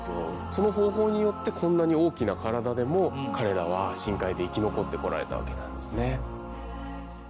その方法によってこんなに大きな体でも彼らは深海で生き残ってこられたわけなんです。